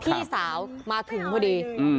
พี่สาวมาถึงพอดี